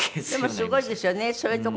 でもすごいですよね。